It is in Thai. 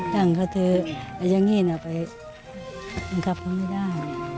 อย่างก็คืออย่างนี้น่ะไปกลับเข้าไม่ได้